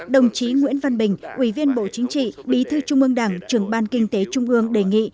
đồng chí nguyễn văn bình ủy viên bộ chính trị bí thư trung ương đảng trưởng ban kinh tế trung ương đề nghị